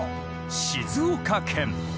静岡県。